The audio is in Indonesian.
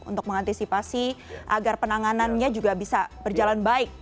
untuk mengantisipasi agar penanganannya juga bisa berjalan baik